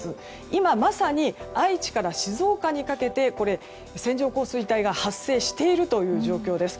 今、まさに愛知から静岡にかけて線状降水帯が発生している状況です。